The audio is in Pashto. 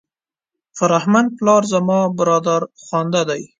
فرهمند پلار زما برادرخوانده دی.